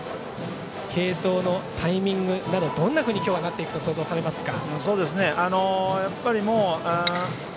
継投のタイミングなどどんなふうに今日は、なっていくと想像されますか。